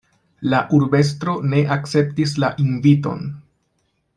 La urbestro ne akceptis la inviton.